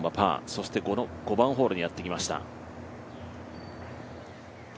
そしてこの５番ホールにやってきました。